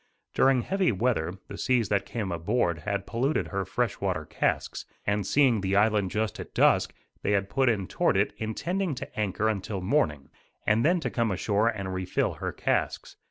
During heavy weather the seas that came aboard had polluted her fresh water casks and seeing the island just at dusk they had put in toward it intending to anchor until morning and then to come ashore and refill her casks.